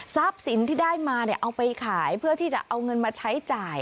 สินที่ได้มาเอาไปขายเพื่อที่จะเอาเงินมาใช้จ่าย